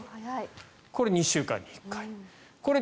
これ、２週間に１回。